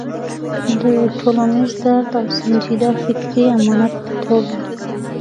د یو ټولنیز درد او سنجیده فکري امانت په توګه.